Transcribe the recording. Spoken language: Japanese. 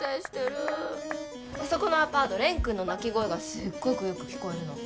あそこのアパート蓮くんの泣き声がすっごくよく聞こえるの。